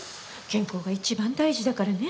健康が一番大事だからね。